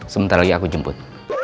sementara lagi aku jemput